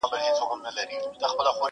نه درک مي د مالونو نه دوکان سته؛